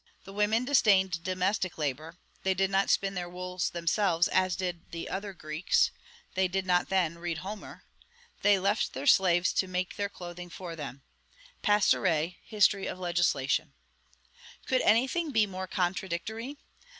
The women disdained domestic labor; they did not spin their wool themselves, as did the other Greeks [they did not, then, read Homer!]; they left their slaves to make their clothing for them." Pastoret: History of Legislation. Could any thing be more contradictory?